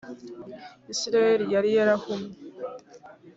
isirayeli yari yarahumye